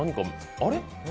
あれ？